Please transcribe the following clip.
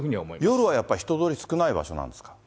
夜はやっぱり人通りが少ない場所なんですか。